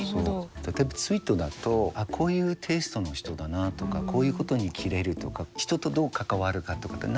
例えばツイートだとこういうテイストの人だなとかこういうことにキレるとか人とどう関わるかとかって何となく分かる。